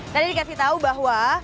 tadi dikasih tau bahwa